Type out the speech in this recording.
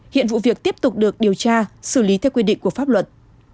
hiện vụ việc tiếp tục được điều tra xử lý theo quy định của pháp luật